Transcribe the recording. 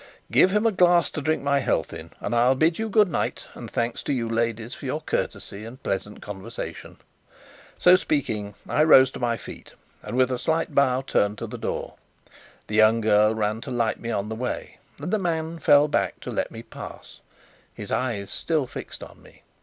"Give him a glass to drink my health in; and I'll bid you good night, and thanks to you, ladies, for your courtesy and pleasant conversation." So speaking, I rose to my feet, and with a slight bow turned to the door. The young girl ran to light me on the way, and the man fell back to let me pass, his eyes still fixed on me.